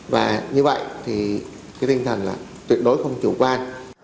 và như vậy thì cái tinh thần là tuyệt đối không chủ quan